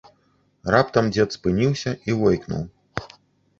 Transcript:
Раптам дзед спыніўся і войкнуў.